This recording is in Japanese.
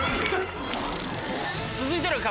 続いての壁